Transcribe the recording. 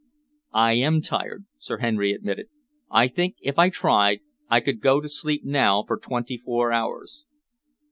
"I am tired," Sir Henry admitted. "I think, if I tried, I could go to sleep now for twenty four hours."